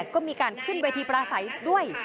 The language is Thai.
ก็มีการขึ้นเวทีปลาใสด้วย